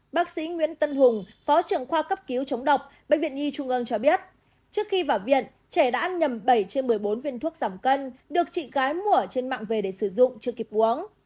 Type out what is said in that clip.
bác sĩ nguyễn tân hùng phó trưởng khoa cấp cứu chống độc bệnh viện nhi trung ương cho biết trước khi vào viện trẻ đã ăn nhầm bảy trên một mươi bốn viên thuốc giảm cân được chị gái mua trên mạng về để sử dụng chưa kịp uống